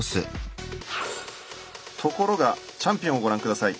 ところがチャンピオンをご覧下さい。